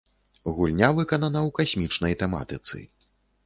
Гульня выканана ў касмічнай тэматыцы.